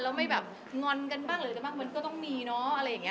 แล้วไม่แบบงอนกันบ้างหรือกันบ้างมันก็ต้องมีเนอะอะไรอย่างนี้